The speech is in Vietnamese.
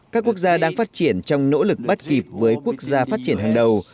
các quốc gia đang phát triển trong nỗ lực bắt kịp với quốc gia phát triển hàng đầu